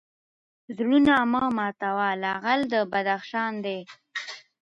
زړونه مه ماتوه لعل د بدخشان دی